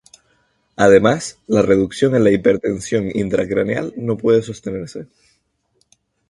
Además, la reducción en la hipertensión intracraneal no puede sostenerse.